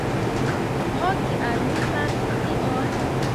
Ho kial mi faris tion?